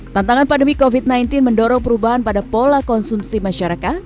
tantangan pandemi covid sembilan belas mendorong perubahan pada pola konsumsi masyarakat